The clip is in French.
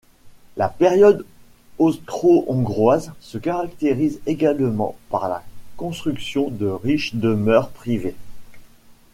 La période austro-hongroise se caractérise également par la construction de riches demeures privées.